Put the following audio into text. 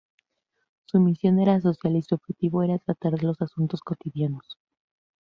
Su misión era social y su objetivo era tratar los asuntos cotidianos.